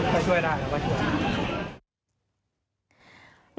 ถ้าช่วยได้เราก็ช่วย